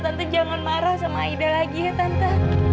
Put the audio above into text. tante jangan marah sama aida lagi ya tante